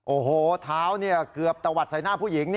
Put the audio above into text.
โอ้โหเท้าเกือบตะวัดใส่หน้าผู้หญิง